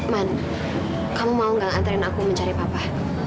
man kamu mau tidak mengantarkan aku mencari papa